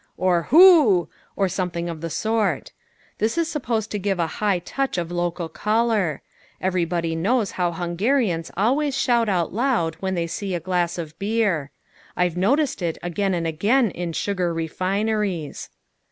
or "Hoo!" or something of the sort. This is supposed to give a high touch of local colour. Everybody knows how Hungarians always shout out loud when they see a glass of beer. I've noticed it again and again in sugar refineries.